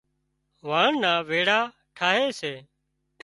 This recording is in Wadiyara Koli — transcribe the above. واڻ نا ويڙا ٺاهي سي